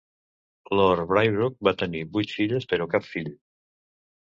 Lord Braybrooke va tenir vuit filles, però cap fill.